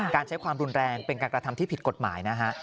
การใช้ความรุนแรงเป็นการกระทำที่ผิดกฎหมายนะฮะ